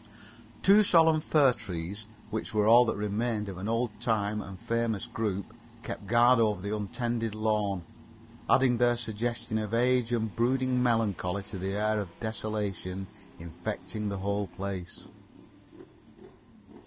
Two solemn fir trees, which were all that remained of an old time and famous group, kept guard over the untended lawn, adding their suggestion of age and brooding melancholy to the air of desolation infecting the whole place.